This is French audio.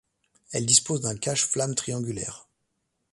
Elle dispose d'un cache flamme triangulaire.